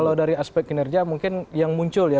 kalau dari aspek kinerja mungkin yang muncul ya